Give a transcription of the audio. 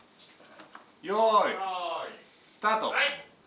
よーいスタート！